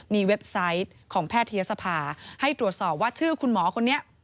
มีเว็บไซต์ของแพทยศภาให้ตรวจสอบว่าชื่อคุณหมอคนนี้